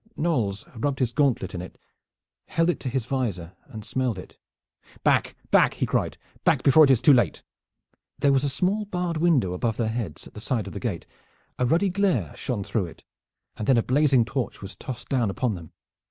Knolles rubbed his gauntlet in it, held it to his visor, and smelled it. "Back, back!" he cried. "Back before it is too late!" There was a small barred window above their heads at the side of the gate. A ruddy glare shone through it, and then a blazing torch was tossed down upon them.